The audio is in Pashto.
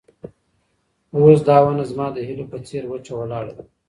اوس دا ونه زما د هیلو په څېر وچه ولاړه ده.